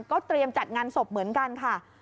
เตรียมจัดงานศพเหมือนกันค่ะ